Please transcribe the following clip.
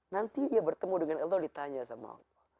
nanti dia bertemu dengan allah ditanya sama allah